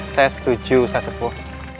saya setuju saya setuju